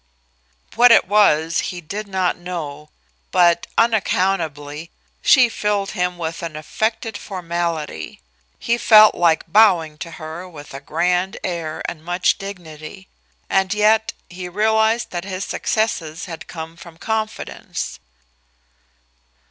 What it was he did not know, but unaccountably she filled him with an affected formality He felt like bowing to her with a grand air and much dignity. And yet he realized that his successes had come from confidence.